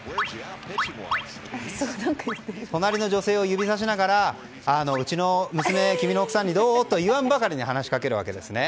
隣の女性を指さしながらうちの娘君の奥さんにどう？と言わんばかりに話しかけるわけです。